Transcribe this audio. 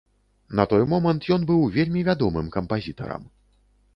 На той момант ён быў вельмі вядомым кампазітарам.